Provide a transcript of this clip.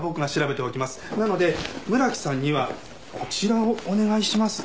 なので村木さんにはこちらをお願いします。